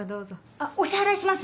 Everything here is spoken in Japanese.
あっお支払いします。